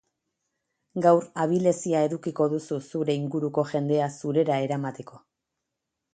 Gaur abilezia edukiko duzu zure inguruko jendea zurera eramateko.